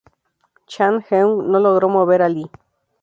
Chan Heung no logró mover a Lee.